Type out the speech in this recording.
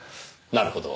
なるほど。